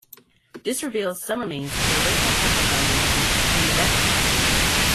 This revealed some remains of the original castle foundations and the bedrock.